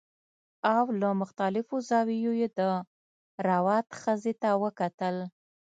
او له مختلفو زاویو یې د روات ښځې ته وکتل